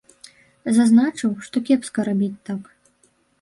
Зазначыў, што кепска рабіць так.